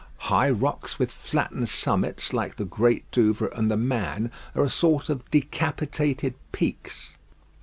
High rocks with flattened summits, like the Great Douvre and "The Man," are a sort of decapitated peaks.